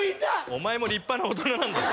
お前も立派な大人なんだよ